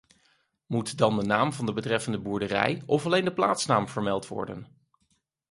Moet dan de naam van de betreffende boerderij of alleen de plaatsnaam vermeld worden?